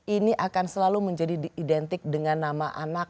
ini akan selalu menjadi identik dengan nama anak